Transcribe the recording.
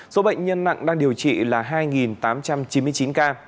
số bệnh nhân nặng đang điều trị là hai tám trăm chín mươi chín ca